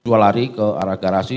dua lari ke arah garasi